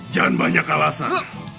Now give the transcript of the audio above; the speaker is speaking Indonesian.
jangan banyak alasan